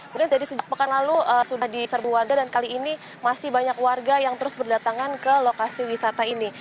kemudian dari sejak pekan lalu sudah diserbu warga dan kali ini masih banyak warga yang terus berdatangan ke lokasi wisata ini